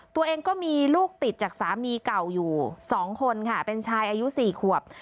ตัวเองก็มีลูกติดจากสามีเก่าอยู่๒คนค่ะเป็นชายอายุ๔ขวบ